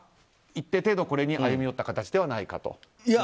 一定程度、これに歩み寄った形ではないかと。